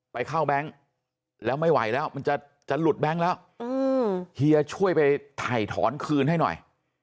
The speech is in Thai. ไปเข้าแบงค์แล้วไม่ไหวแล้วมันจะหลุดแบงค์แล้วเฮียช่วยไปถ่ายถอนคืนให้หน่อย